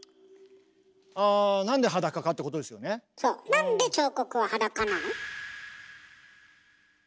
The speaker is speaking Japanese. なんで彫刻は裸なの？